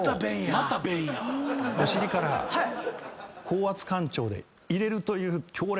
お尻から高圧かん腸で入れるという。